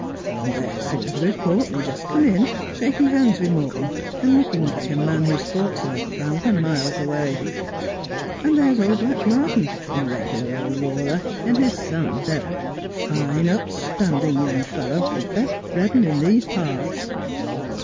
And there's Sir Everard Courtenay just come in, shaking hands with Morton, and looking like a man whose thoughts are a thousand miles away. And there's old Blatchmardean — regular old roarer — and his son Beville — fine up standing young fellow, the best bred un in these parts.'